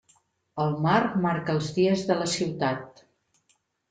El mar marca els dies de la ciutat.